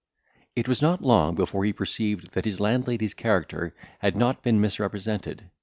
It was not long before he perceived that his landlady's character had not been misrepresented.